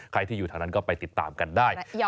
ใครที่อยู่แถวนั้นก็ไปติดตามกันได้